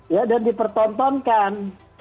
ya dan dipertontonkan